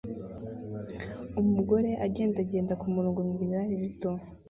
Umukobwa agendagenda kumurongo mu igare rito